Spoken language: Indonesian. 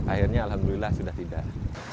akhirnya alhamdulillah sudah tidak